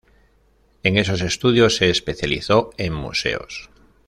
En esos estudios se especializó en Museos.